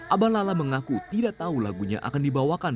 abah lala mengaku tidak tahu lagunya akan dibawakan